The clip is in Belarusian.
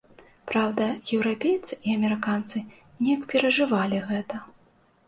Праўда, еўрапейцы і амерыканцы неяк перажывалі гэта.